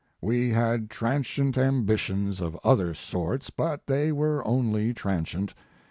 We had transient ambitions of other sorts, but they were only transient.